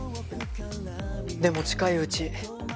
でも近いうち